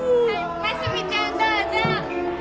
真澄ちゃんどうぞ。